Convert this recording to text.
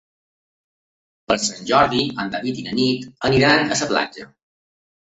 Per Sant Jordi en David i na Nit aniran a la platja.